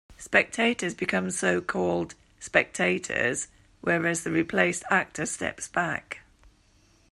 Spectators become so called "spect-actors", whereas the replaced actor steps back.